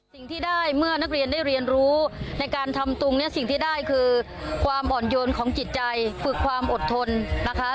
สิ่งที่ได้เมื่อนางเรียนรู้ในการทำตุ้งสิ่งที่ได้คุณความอ่อนโยนของจิตใจฝึกความอดทนนะคะ